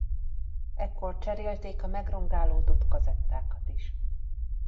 Ekkor cserélték a megrongálódott kazettákat is.